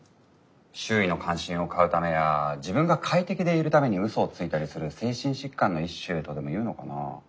周囲の関心を買うためや自分が快適でいるために嘘をついたりする精神疾患の一種とでもいうのかな。